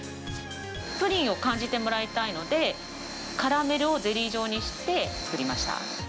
プリンを感じてもらいたいので、カラメルをゼリー状にして、作りました。